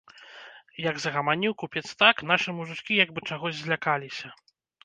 Як загаманіў купец так, нашы мужычкі як бы чагось злякаліся.